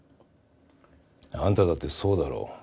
あんただってそうだろ？